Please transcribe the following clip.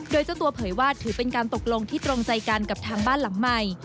โดยเจ้าตัวเผยว่าถือเป็นการตกลงที่ตรงใจกันกับทางบ้านหลังใหม่